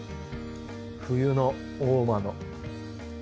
冬の大間の。